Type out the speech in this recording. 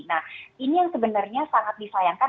nah ini yang sebenarnya sangat disayangkan